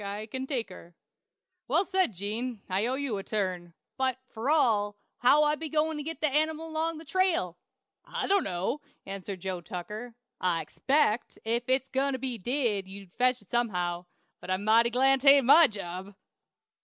I can take her." "Well said, Gene. I'll owe you a turn. But, fur all, how be I goin' to get that animile 'long the trail?" "I dono!" answered Joe Tucker. "I expect, if it's got to be did, you'll fetch it somehow. But I'm mighty glad 'tain't my job!"